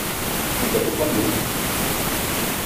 Anda-t uxxam-ik?